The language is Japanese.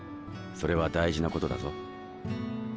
それは大事なことだぞ。